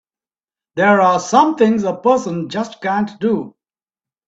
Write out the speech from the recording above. There are some things a person just can't do!